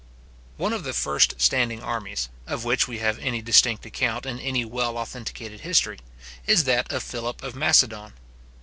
One of the first standing armies, of which we have any distinct account in any well authenticated history, is that of Philip of Macedon.